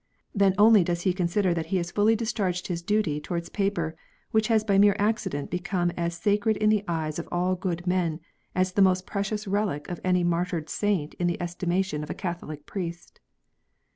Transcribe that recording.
Then only does he consider that he has fully dis charged his duty towards paper which has by mere accident become as sacred in the eyes of all good men as the most precious relic of any martyred saint in the estimation of a Catholic priest.